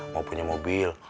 mau punya mobil